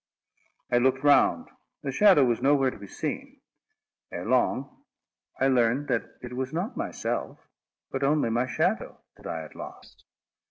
I looked round: the shadow was nowhere to be seen. Ere long, I learned that it was not myself, but only my shadow, that I had lost.